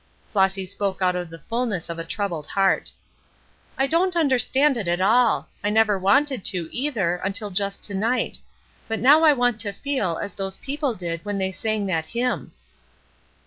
Flossy spoke out of the fullness of a troubled heart: "I don't understand it at all. I never wanted to, either, until just to night; but now I want to feel as those people did when they sang that hymn."